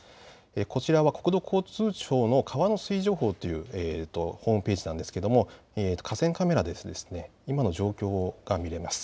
こちらは国土交通省の川の水位情報というホームページなんですが河川カメラで今の状況を見ることができます。